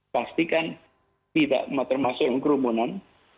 pastikan tidak termasuk kerumunan